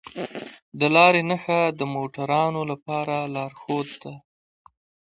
د لارې نښه د موټروانو لپاره لارښود ده.